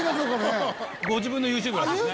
ご自分のＹｏｕＴｕｂｅらしいですね。